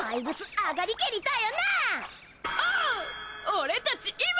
俺たち今！